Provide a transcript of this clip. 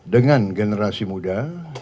dengan generasi muda